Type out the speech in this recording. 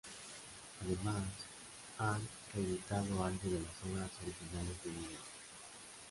Además, han reeditado algo de las obras originales de Linneo.